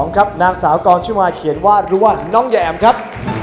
๓๔๒ครับนางสาวกองชุมาเขียนว่ารัวน้องแย่มครับ